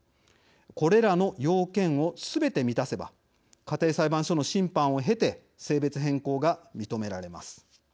これらの要件をすべて満たせば家庭裁判所の審判を経て性別変更が認められます。